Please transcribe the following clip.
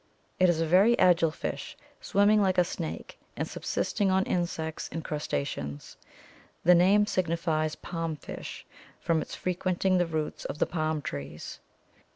It is a very agile fish, swimming like a snake and subsisting on insects and crustaceans. The name signifies palm fish, from its frequenting the roots of the palm trees.